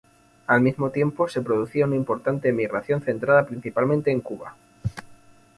Al mismo tiempo se producía una importante emigración centrada principalmente en Cuba.